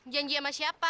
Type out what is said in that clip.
janji sama siapa